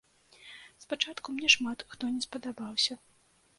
Спачатку мне шмат хто не спадабаўся.